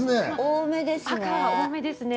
多めですね。